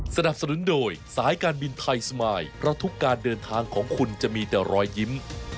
สนับสนุนโดยสายการบินไทยสมายเพราะทุกการเดินทางของคุณจะมีแต่รอยยิ้ม